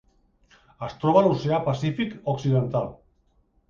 Es troba a l'Oceà Pacífic occidental: